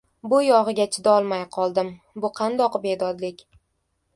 Bu yog‘iga chidolmay qoldim. Bu qandoq bedodlik!